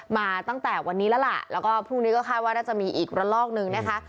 มาตั้งแต่วันนี้แล้วล่ะแล้วก็พรุ่งนี้ก็คาดว่าน่าจะมีอีกระลอกนึงนะคะ